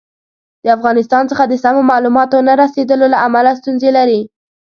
د افغانستان څخه د سمو معلوماتو نه رسېدلو له امله ستونزې لري.